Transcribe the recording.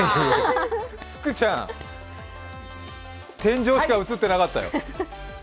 福ちゃん、天井しか映ってなかったよ。